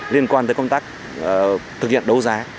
liên quan tới công tác thực hiện đấu giá